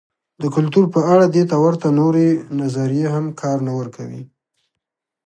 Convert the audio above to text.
د کلتور په اړه دې ته ورته نورې نظریې هم کار نه ورکوي.